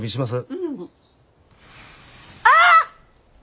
うん。あっ！